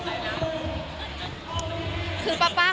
มีใครปิดปาก